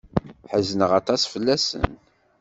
Ḥezneɣ aṭas fell-asen.